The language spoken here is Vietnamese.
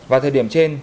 vào thời điểm trên